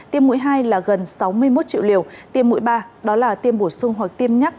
tiêm mũi hai là gần sáu mươi một triệu liều tiêm mũi ba đó là tiêm bổ sung hoặc tiêm nhắc